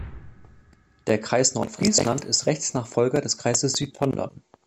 Der Kreis Nordfriesland ist Rechtsnachfolger des Kreises Südtondern.